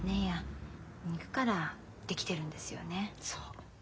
そう。